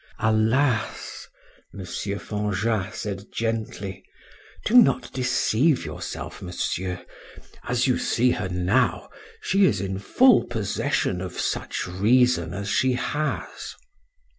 "Alas!" M. Fanjat said gently, "do not deceive yourself, monsieur; as you see her now, she is in full possession of such reason as she has."